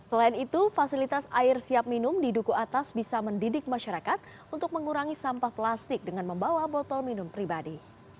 selain itu fasilitas air siap minum di duku atas bisa mendidik masyarakat untuk mengurangi sampah plastik dengan membawa botol minum pribadi